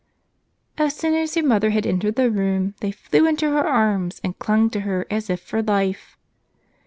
As soon as their mother had entered the room, they flew into her arms and clung to her as if for life.